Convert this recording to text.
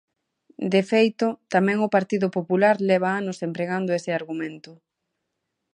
De feito, tamén o Partido Popular leva anos empregando ese argumento.